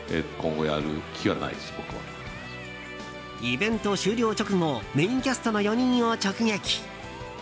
イベント終了直後メインキャストの４人を直撃。